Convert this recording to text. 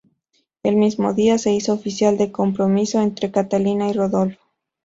El mismo día se hizo oficial el compromiso entre Catalina y Rodolfo.